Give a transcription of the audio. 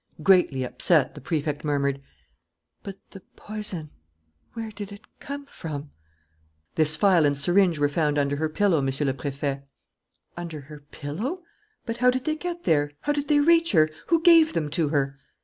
Greatly upset, the Prefect murmured: "But the poison where did it come from?" "This phial and syringe were found under her pillow, Monsieur le Préfet." "Under her pillow? But how did they get there? How did they reach her? Who gave them to her?"